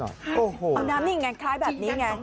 เอาน้ำนิ่งไงคล้ายแบบนี้ไง